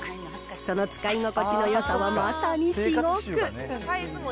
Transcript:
その使い心地のよさはまさに至極。